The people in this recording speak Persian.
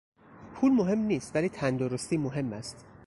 پول مهم نیست ولی تندرستی مهم است.